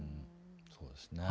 そうですね。